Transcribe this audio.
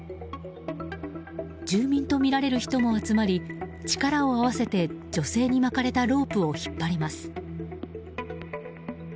住民とみられる人も集まり力を合わせて女性に巻かれたロープを引っ張ります。